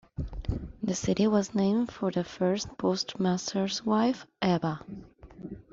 The city was named for the first postmaster's wife, Eva.